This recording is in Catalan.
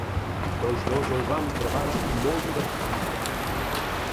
Tots dos ho vam trobar molt divertit.